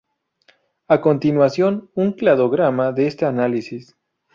A continuación un cladograma de este análisis.